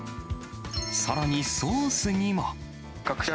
さらに、ソースにも。